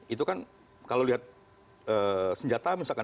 itu kan kalau lihat senjata misalkan